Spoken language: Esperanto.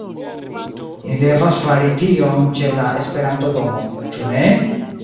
Ni devas fari tion ĉe la Esperanto-domo, ĉu ne?